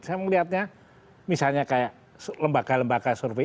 saya melihatnya misalnya kayak lembaga lembaga survei